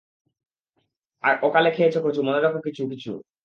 অকালে খেয়েছ কচু, মনে রেখ কিছু কিছু।